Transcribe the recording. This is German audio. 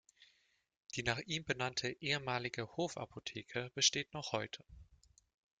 Die nach ihm benannte ehemalige Hofapotheke besteht noch heute.